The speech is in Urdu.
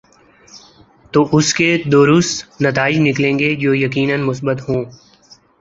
تو اس کے دوررس نتائج نکلیں گے جو یقینا مثبت ہوں۔